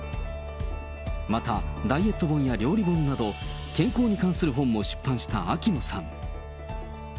また、ダイエット本や料理本など、健康に関する本も出版した秋野さん。